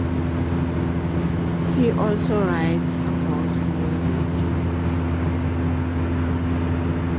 He also writes about music.